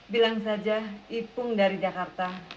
bilang saja ipung dari jakarta